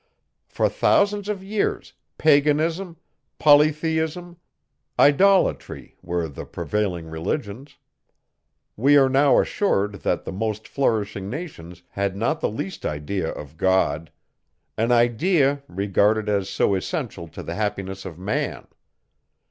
For thousands of years, paganism, polytheism, idolatry, were the prevailing religions. We are now assured, that the most flourishing nations had not the least idea of God; an idea, regarded as so essential to the happiness of man.